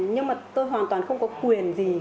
nhưng mà tôi hoàn toàn không có quyền gì